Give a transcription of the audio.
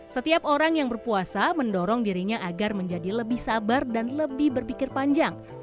setiap orang yang berpuasa mendorong dirinya agar menjadi lebih sabar dan lebih berpikir panjang